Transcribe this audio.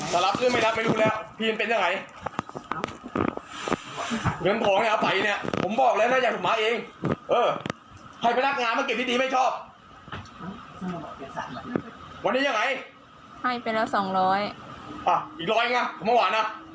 วันนี้ยังไงให้ไปแล้วสองร้อยอ่ะอีกร้อยง่ะของมหวานอ่ะ